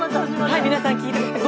はい皆さん聴いてください。